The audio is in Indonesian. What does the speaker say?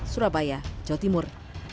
surabaya jawa timur